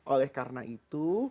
oleh karena itu